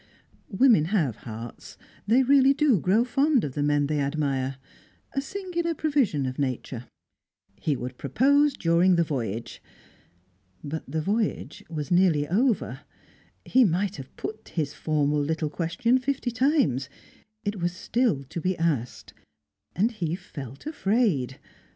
Women have "hearts"; they really do grow fond of the men they admire; a singular provision of nature. He would propose during the voyage. But the voyage was nearly over; he might have put his formal little question fifty times; it was still to be asked and he felt afraid.